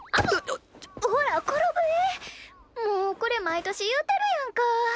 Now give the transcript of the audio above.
もうこれ毎年言うてるやんか。